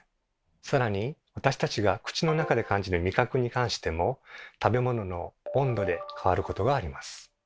さらに私たちが口の中で感じる味覚に関しても食べ物の温度で変わることがあります。